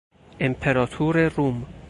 امپراتور روم